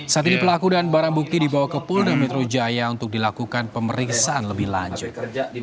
saat ini pelaku dan barang bukti dibawa ke polda metro jaya untuk dilakukan pemeriksaan lebih lanjut